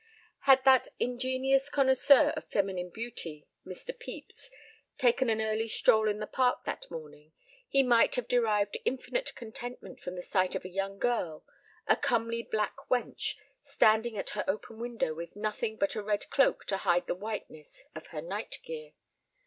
Had that ingenious connoisseur of feminine beauty—Mr. Pepys—taken an early stroll in the park that morning, he might have derived infinite contentment from the sight of a young girl, a "comely black wench," standing at her open window with nothing but a red cloak to hide the whiteness of her night gear.